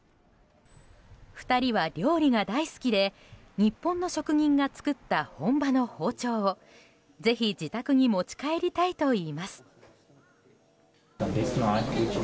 ２人は料理が大好きで日本の職人が作った本場の包丁を、ぜひ自宅に持ち帰りたいといいます。